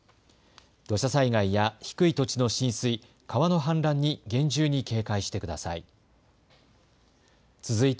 土砂災害や低い土地の浸水、川の氾濫に厳重に警戒してください。